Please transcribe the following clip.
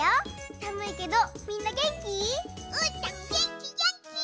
さむいけどみんなげんき？うーたんげんきげんき！